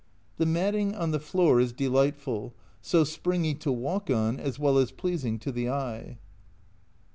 The matting on the floor is delightful, so springy to walk on as well as pleasing to the eye.